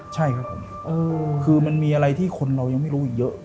ใช่ครับผมคือมันมีอะไรที่คนเรายังไม่รู้อีกเยอะ